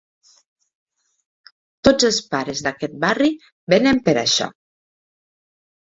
Tots els pares d'aquet barri venen per això